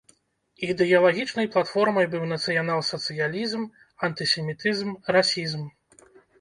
Ідэалагічнай платформай быў нацыянал-сацыялізм, антысемітызм, расізм.